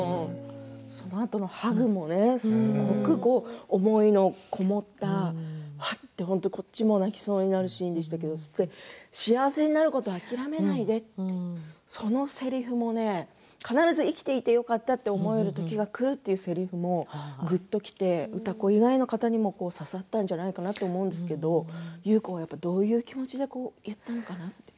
そのあとのハグもすごく思いのこもったこっちも泣きそうになるシーンでしたけれど幸せになることを諦めないでってそのせりふも必ず生きていてよかったって思えるときがくるというせりふもぐっときて歌子以外の方にも刺さったんじゃないかなと思うんですけれど優子はどういう気持ちで言ったのかなって。